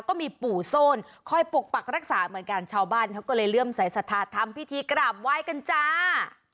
ก็มีปู่โซนคอยปกปักรักษาเหมือนกันชาวบ้านเขาก็เลยเริ่มใส่สัทธาทำพิธีกราบไหว้กันจ้า